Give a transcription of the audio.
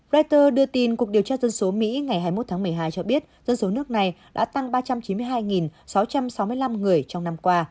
reuters đưa tin cục điều tra dân số mỹ ngày hai mươi một tháng một mươi hai cho biết dân số nước này đã tăng ba trăm chín mươi hai sáu trăm sáu mươi năm người trong năm qua